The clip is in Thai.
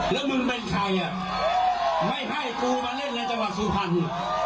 แล้วมึงเป็นใครอ่ะไม่ให้กูมาเล่นในจังหวัดสุพรรณ